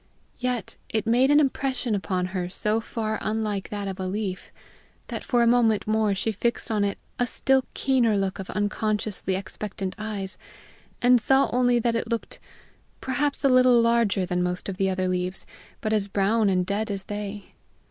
Yet it made an impression upon her so far unlike that of a leaf that for a moment more she fixed on it a still keener look of unconsciously expectant eyes, and saw only that it looked perhaps a little larger than most of the other leaves, but as brown and dead as they.